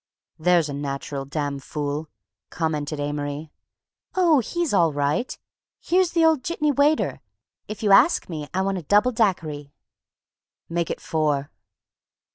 "There's a natural damn fool," commented Amory. "Oh, he's all right. Here's the old jitney waiter. If you ask me, I want a double Daiquiri." "Make it four."